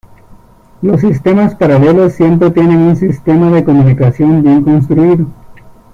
Los sistemas paralelos siempre tienen un sistema de comunicación bien construido.